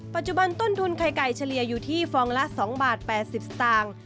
ปัจจุบันต้นทุนไข่ไก่เฉลี่ยอยู่ที่ฟองละ๒บาท๘๐สตางค์